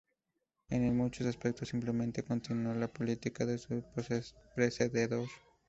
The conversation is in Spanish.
Él en muchos aspectos, simplemente continuó la política de su predecesor.